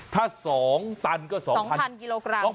ถ้า๒ตันก็๒๐๐กิโลกรัม